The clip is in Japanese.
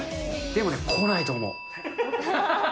でもね、来ないと思う。